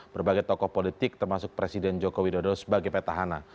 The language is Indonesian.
berbagai tokoh politik termasuk presiden jokowi dodo sebagai petahana